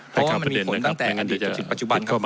เพราะว่ามันมีผลตั้งแต่อันดีตจุดปัจจุบันครับ